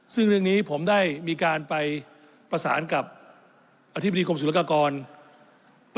ซึ่งเรื่องนี้ผมได้มีการไปประสานกับอธิบดีกรมศุลกากร